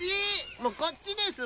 もうこっちですわ！